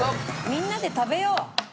みんなで食べよう。